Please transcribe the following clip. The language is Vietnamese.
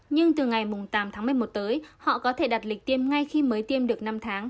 nhưng từ ngày tám tháng một mươi một tới họ có thể đặt lịch tiêm ngay khi mới tiêm được năm tháng